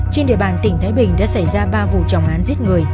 trên địa bàn tỉnh thái bình đã xảy ra ba vụ trọng án giết người